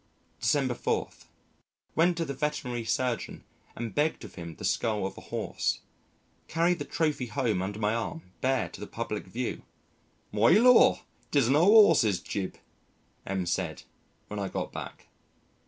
December 4. Went to the Veterinary Surgeon and begged of him the skull of a horse. Carried the trophy home under my arm bare to the public view. "Why, Lor', 'tis an ole 'orse's jib," M said when I got back.